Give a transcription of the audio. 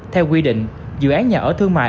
theo quy định dự án nhà ở thương mại